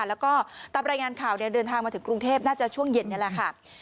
แล้วก็ตามรายงานข่าวเดินทางมาถึงกรุงเทพน่าจะช่วงเย็นนี่แหละค่ะ